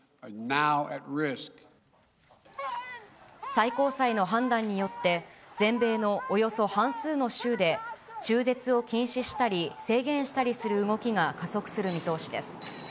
最高裁の判断によって、全米のおよそ半数の州で、中絶を禁止したり、制限したりする動きが加速する見通しです。